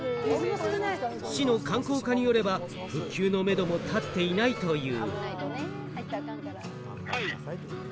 市の観光課によれば、復旧のめどもたっていないという。